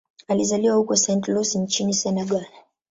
Alizaliwa huko Saint-Louis nchini Senegal.